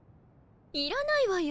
いらないわよ